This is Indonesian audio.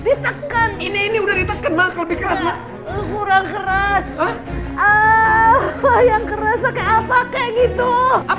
ditekan ini udah ditekan maka lebih keras kurang keras apa yang keras pakai apa kayak gitu apa